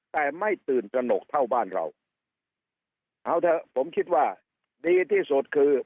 แต่ไม่ตื่นตระหนกเท่าบ้านเราเอาเถอะผมคิดว่าดีที่สุดคือ